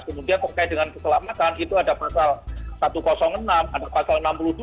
kemudian terkait dengan keselamatan itu ada pasal satu ratus enam ada pasal enam puluh dua